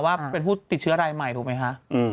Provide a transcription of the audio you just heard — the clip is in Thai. ว่าเป็นผู้ติดเชื้อรายใหม่ถูกไหมคะ